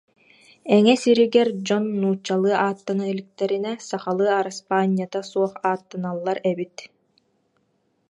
Эҥэ сиригэр дьон нууччалыы ааттана иликтэринэ, сахалыы араспаанньата суох ааттаналлар эбит